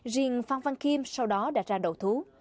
riêng phan văn kim sau đó đã ra đầu thú